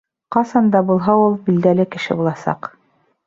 Ҡасан да булһа ул билдәле кеше буласаҡ